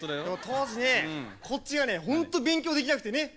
当時ねこっちがねほんと勉強できなくてね。